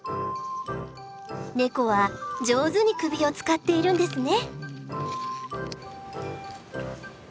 ネコは上手に首を使っているんですね！